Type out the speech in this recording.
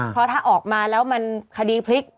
เพราะถ้าออกมาแล้วมันคดีพลิก